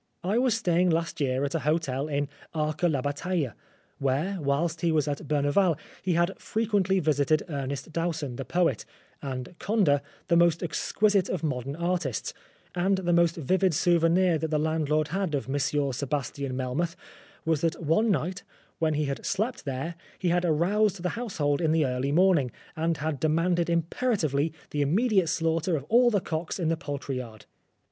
I was staying last year at a hotel in Arques la Bataille, where, whilst he was at Berneval, he had frequently visited Ernest Dowson, the poet, and Conder, the most exquisite of modern artists, and the most vivid souvenir that the landlord had of Mr. Sebastian Melmoth was that one night, when he had slept there, he had aroused the household in the early morning, and had demanded imperatively the im mediate slaughter of all the cocks in the poultry yard.